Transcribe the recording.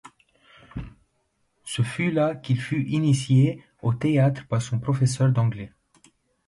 Ce fut là qu'il fut initié au théâtre par son professeur d'anglais.